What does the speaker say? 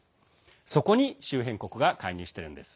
そこに周辺国が介入しているんです。